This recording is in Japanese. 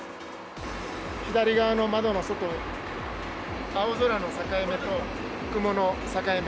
左側の窓の外、青空の境目と、雲の境目。